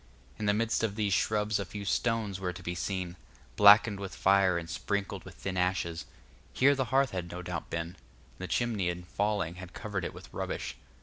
In the midst of these shrubs a few stones were to be seen, blackened with fire and sprinkled with thin ashes; here the hearth had no doubt been, and the chimney in falling had covered it with rubbish.